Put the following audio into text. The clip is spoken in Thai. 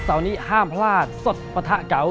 เสาร์นี้ห้ามพลาดสดประทะเก๋า